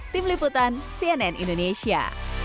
tim liputan cnn indonesia